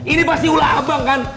ini pasti ulama abang kan